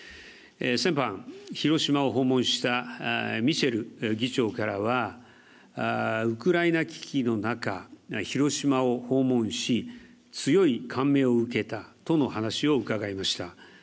先般、広島を訪問したミシェル議長からはウクライナ危機の中、広島を訪問し、強い感銘を受けたとの話を伺いました。